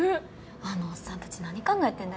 あのおっさんたち何考えてんだろね。